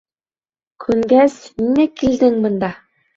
Күнгәс ниңә килдең бында?